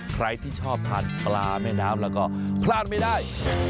ใครที่ชอบทานปลาแม่น้ำแล้วก็พลาดไม่ได้